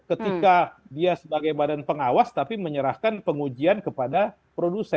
ketika dia sebagai badan pengawas tapi menyerahkan pengujian kepada produsen